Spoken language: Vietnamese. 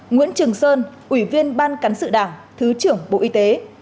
nguyễn trường sơn ủy viên ban cán sự đảng thứ trưởng bộ y tế